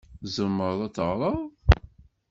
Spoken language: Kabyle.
Tzemreḍ ad d-teɣreḍ?